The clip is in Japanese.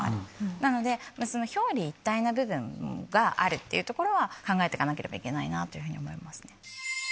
なので表裏一体な部分があるっていうところは考えて行かなければいけないなというふうに思いますね。